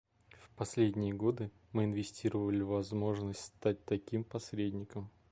В последние годы мы инвестировали в возможность стать таким посредником.